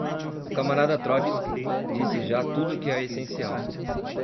O camarada Trótski disse já tudo o que é essencial